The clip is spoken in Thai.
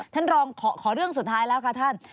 ท่านรองขอเรื่องสุดท้ายแล้วค่ะท่าน